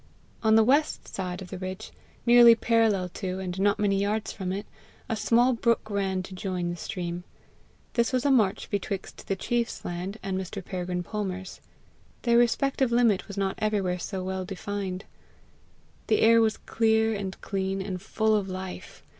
On the west side of the ridge, nearly parallel to, and not many yards from it, a small brook ran to join the stream: this was a march betwixt the chief's land and Mr. Peregrine Palmer's. Their respective limit was not everywhere so well defined. The air was clear and clean, and full of life.